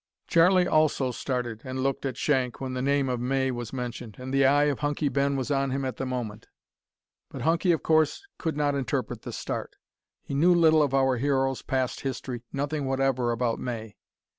Charlie also started and looked at Shank when the name of May was mentioned, and the eye of Hunky Ben was on him at the moment. But Hunky of course could not interpret the start. He knew little of our hero's past history nothing whatever about May.